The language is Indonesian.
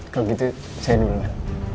kalau gitu saya duluan